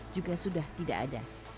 juga sudah tidak ada